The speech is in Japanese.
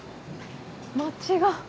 町が。